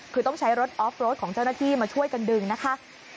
คือต้องใช้รถออฟรถของเจ้าหน้าที่มาช่วยกันดึงนะคะ